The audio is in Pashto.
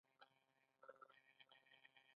فریدګل خپله مور له سر تر پښو وکتله